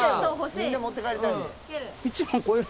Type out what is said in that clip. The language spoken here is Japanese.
みんな持って帰りたい。